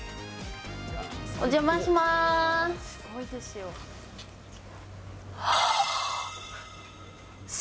お邪魔します！